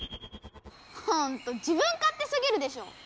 ほんと自分勝手すぎるでしょ！